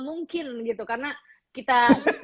mungkin gitu karena kita